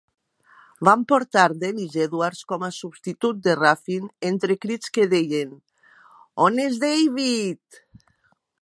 Van portar Dennis Edwards com a substitut de Ruffin entre crits que deien "on és David?".